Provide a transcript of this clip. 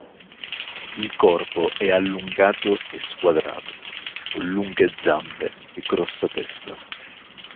Il corpo è allungato e squadrato, con lunghe zampe e grossa testa.